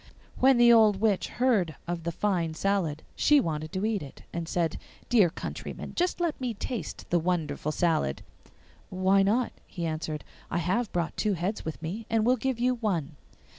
When the old witch heard of the fine salad she wanted to eat it, and said, 'Dear countryman, just let me taste the wonderful salad.' 'Why not?' he answered; 'I have brought two heads with me, and will give you one.